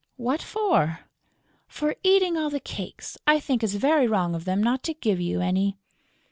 "What for?" "For eating all the cakes. I think it's very wrong of them not to give you any."